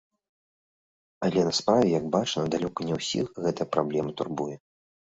Але на справе, як бачна, далёка не ўсіх гэтая праблема турбуе.